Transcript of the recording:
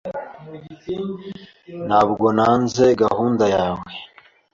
Ntabwo nanze gahunda yawe.